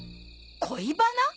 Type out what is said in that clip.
恋バナ？